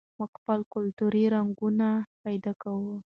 موږ خپل کلتوري رنګونه نه پیکه کوو.